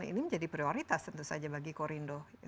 ini menjadi prioritas tentu saja bagi korindo